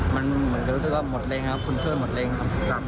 มันเหมือนจะรู้สึกว่าหมดเร็งครับคุณช่วยหมดเร็งครับ